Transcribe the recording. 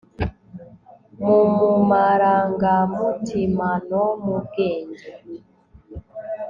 mu mu marangamutimano mu bwenge